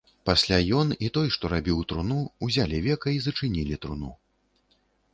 Пасля ён і той, што рабіў труну, узялі века і зачынілі труну.